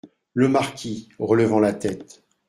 Le Marquis, relevant la tête.